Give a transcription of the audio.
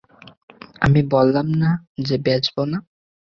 আমি বললাম না যে বেচব না।